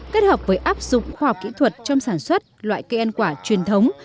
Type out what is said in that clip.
kết hợp với áp dụng khoa học kỹ thuật trong sản xuất loại cây ăn quả truyền thống